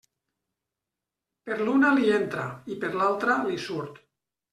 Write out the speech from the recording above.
Per l'una l'hi entra, i per l'altra l'hi surt.